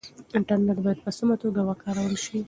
انټرنټ بايد په سمه توګه وکارول شي.